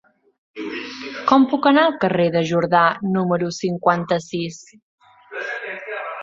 Com puc anar al carrer de Jordà número cinquanta-sis?